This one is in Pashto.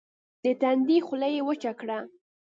د تندي خوله يې وچه کړه.